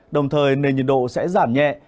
đồng thời nền nhiệt độ sẽ giảm nhẹ